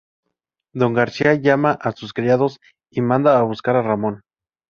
Don García llama a sus criados y manda a buscar a Ramón.